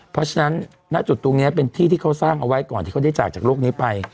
เพราะฉะนั้นณจุดตรงนี้เป็นที่ที่เขาสร้างเอาไว้ก่อนที่เขาได้จากจากโลกนี้ไป